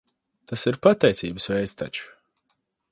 Tas ir pateicības veids taču.